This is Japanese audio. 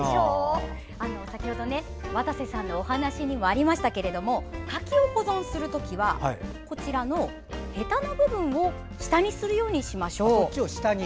先ほど渡瀬さんの話にもありましたけれども柿を保存する時はへたの部分を下にするようにしましょう。